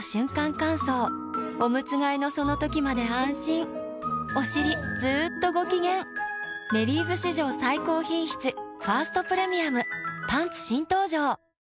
乾燥おむつ替えのその時まで安心おしりずっとご機嫌「メリーズ」史上最高品質「ファーストプレミアム」パンツ新登場！